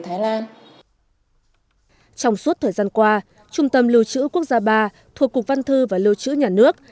trong suốt thời gian qua trung tâm lưu trữ quốc gia ba thuộc cục văn thư và lưu trữ nhà nước